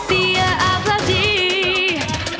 tiada yang dapat